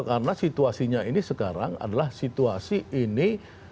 karena situasinya ini sekarang adalah situasi ini